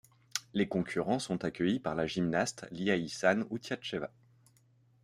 Les concurrents sont accueillis par la gymnaste Liaïssan Outiacheva.